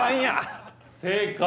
「正解」。